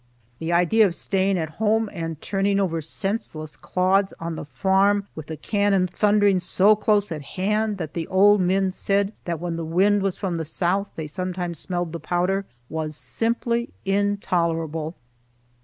The idea of staying at home and turning over senseless clods on the farm with the cannon thundering so close at hand that the old men said that when the wind was from the south they sometimes smelled the powder! was simply intolerable.